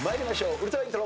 ウルトライントロ。